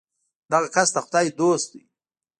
دغه کس د خدای دوست دی.